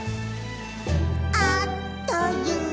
「あっという間に」